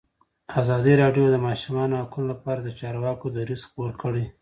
ازادي راډیو د د ماشومانو حقونه لپاره د چارواکو دریځ خپور کړی.